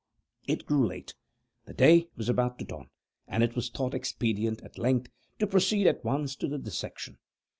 It grew late. The day was about to dawn; and it was thought expedient, at length, to proceed at once to the dissection.